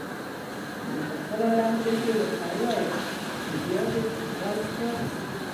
ما پخپله لهجه کې ورته وویل: تر بیا دې پر خدای سپارم.